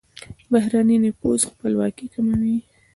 بهرنی نفوذ خپلواکي کموي.